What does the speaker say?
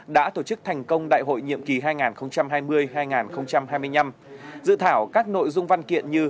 đã tổ chức thành công đại hội nhiệm kỳ hai nghìn hai mươi hai nghìn hai mươi năm dự thảo các nội dung văn kiện như